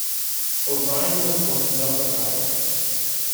O'Byrne was born in Dublin, Ireland.